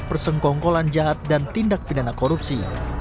persengkongkolan jahat dan tindak pidana korupsi